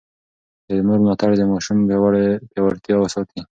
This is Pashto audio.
د مور ملاتړ د ماشوم باور پياوړی ساتي.